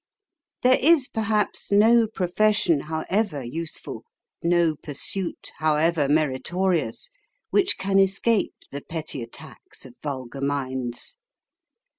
There is perhaps no profession, however useful ; no pursuit, how ever meritorious ; which can escape the petty attacks of vulgar minds.